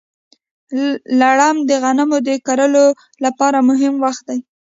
لړم د غنمو د کرلو لپاره مهم وخت دی.